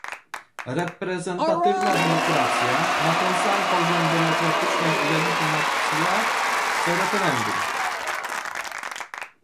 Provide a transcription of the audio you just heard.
reprezentatywna demokracja ma ten sam poziom demokratycznej legitymacja co referendum